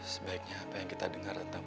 sebaiknya apa yang kita dengar tentang